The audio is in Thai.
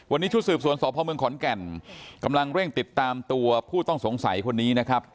วันนี้ชุดสืบสวนสพเมืองขอนแก่นกำลังเร่งติดตามตัวผู้ต้องสงสัยคนนี้นะครับ